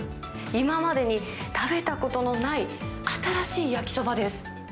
今までに食べたことのない新しい焼きそばです。